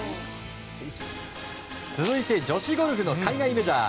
続いて女子ゴルフの海外メジャー。